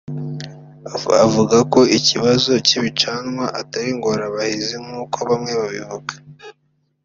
avuga ko ikibazo cy’ibicanwa atari ingorabahizi nk’uko bamwe babivuga